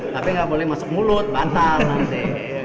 tapi nggak boleh masuk mulut bantal nanti